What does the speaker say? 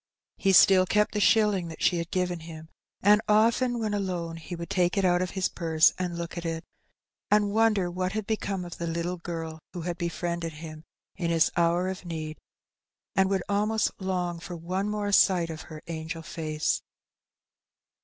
He still kept the shilling that she had given him, and often when alone he would take it out of his purse and look at it, and wonder what had be come of the little girl who had befriended him in his hour of need, and would almost long for one more sight of her angel face.